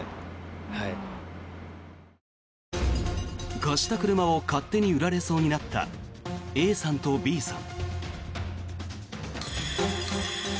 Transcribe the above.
貸した車を勝手に売られそうになったＡさんとＢさん。